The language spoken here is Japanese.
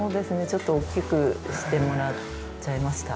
ちょっと大きくしてもらっちゃいました。